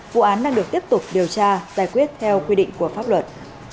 vụ án đang được tiếp tục điều tra giải quyết theo quy định của pháp luật